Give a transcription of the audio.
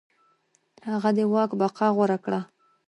هغه د واک بقا غوره کړه.